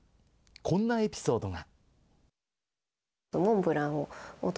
こんなエピソードが。